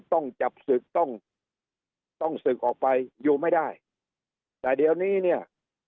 ต้องจับศึกต้องต้องศึกออกไปอยู่ไม่ได้แต่เดี๋ยวนี้เนี่ย